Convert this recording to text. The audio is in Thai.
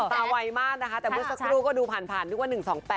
ไวมากนะคะแต่เมื่อสักครู่ก็ดูผ่านนึกว่า๑๒๘